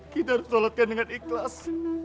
kita harus sholatkan dengan ikhlas